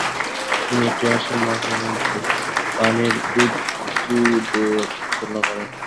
তিনি একটি অসীম মহাসমুদ্রে পানির বুদ্বুদের সাথে তুলনা করেন।